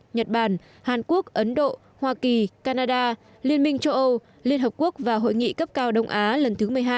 nhật bản hàn quốc ấn độ hoa kỳ canada liên minh châu âu liên hợp quốc và hội nghị cấp cao đông á lần thứ một mươi hai